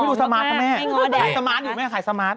ให้งูรแด๋มมั้ยไหล่สมาร์ตอยู่ไหมไหล่สมาร์ต